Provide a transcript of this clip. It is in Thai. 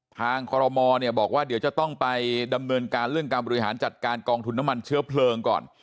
คอรมอเนี่ยบอกว่าเดี๋ยวจะต้องไปดำเนินการเรื่องการบริหารจัดการกองทุนน้ำมันเชื้อเพลิงก่อน